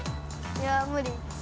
◆いや、無理。